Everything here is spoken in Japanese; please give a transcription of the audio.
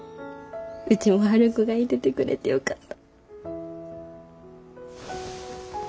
うちも春子がいててくれてよかった。